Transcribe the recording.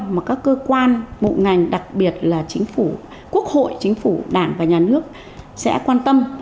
mà các cơ quan bộ ngành đặc biệt là chính phủ quốc hội chính phủ đảng và nhà nước sẽ quan tâm